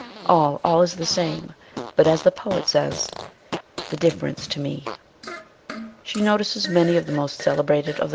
All, all is the same ; but, as the poet says, ' The difference to me.' " She notices many of the most celebrated of the ITALY REVISITED.